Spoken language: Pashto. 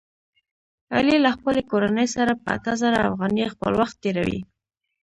علي له خپلې کورنۍ سره په اته زره افغانۍ خپل وخت تېروي.